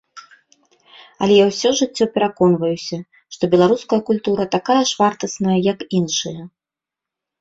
Але я ўсё жыццё пераконваюся, што беларуская культура такая ж вартасная, як іншыя.